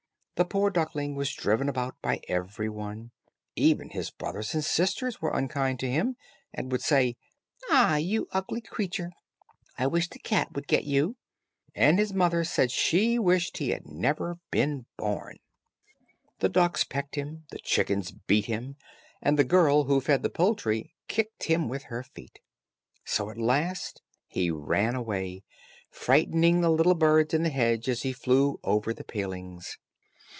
The poor duckling was driven about by every one; even his brothers and sisters were unkind to him, and would say, "Ah, you ugly creature, I wish the cat would get you," and his mother said she wished he had never been born. The ducks pecked him, the chickens beat him, and the girl who fed the poultry kicked him with her feet. So at last he ran away, frightening the little birds in the hedge as he flew over the palings.